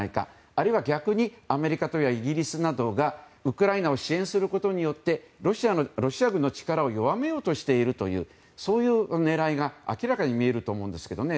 あるいは逆にアメリカやイギリスなどがウクライナを支援することによってロシア軍の力を弱めようとしているという狙いが明らかに見えると思うんですけどね。